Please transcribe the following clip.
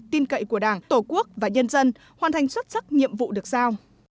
tin cậy của đảng tổ quốc và nhân dân hoàn thành xuất sắc nhiệm vụ được giao